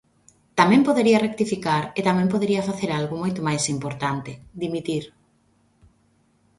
Tamén podería rectificar e tamén podería facer algo moito máis importante: dimitir.